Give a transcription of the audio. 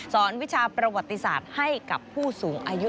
วิชาประวัติศาสตร์ให้กับผู้สูงอายุ